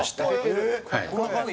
「えっ！こんな感じ？」